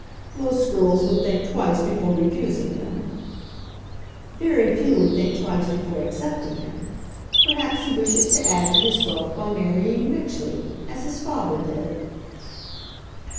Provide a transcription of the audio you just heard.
"Most girls would think twice before refusing him." "Very few would think twice before accepting him. Perhaps he wishes to add to his wealth by marrying richly, as his father did."